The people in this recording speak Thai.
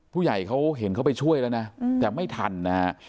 ผู้ใหญ่เขาเห็นเขาไปช่วยแล้วนะแต่ไม่ทันนะฮะ